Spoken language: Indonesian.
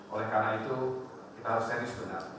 oleh karena itu kita harus serius benar